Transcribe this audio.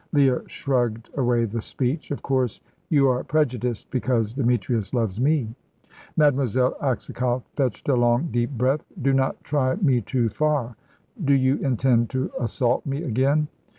Leah shrugged away the speech. "Of course, you are prejudiced, because Demetrius loves me." Mademoiselle Aksakoff fetched a long, deep breath. "Do not try me too far." "Do you intend to assault me again?"